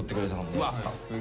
うわさすが！